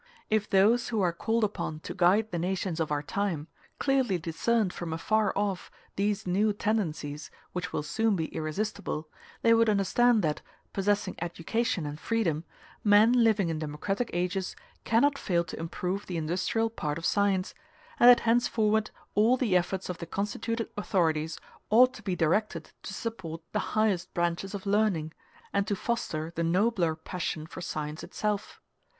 If those who are called upon to guide the nations of our time clearly discerned from afar off these new tendencies, which will soon be irresistible, they would understand that, possessing education and freedom, men living in democratic ages cannot fail to improve the industrial part of science; and that henceforward all the efforts of the constituted authorities ought to be directed to support the highest branches of learning, and to foster the nobler passion for science itself.